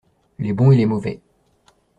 Les bons et les mauvais.